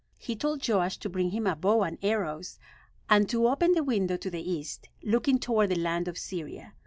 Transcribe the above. He told Joash to bring him a bow and arrows, and to open the window to the east, looking toward the land of Syria.